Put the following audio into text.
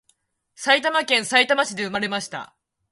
埼玉県さいたま市で産まれました